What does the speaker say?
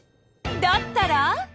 だったら？